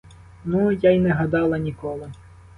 Ну, я й не гадала ніколи!